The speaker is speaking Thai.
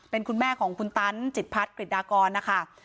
เป็นคุณแม่ของคุณตั๊นจิตพรรดิผลิตนากรนะค่ะ